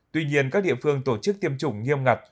tuy nhiên các địa phương tổ chức tiêm chủng nghiêm ngặt